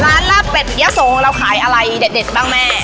ลาบเป็ดยะโสเราขายอะไรเด็ดบ้างแม่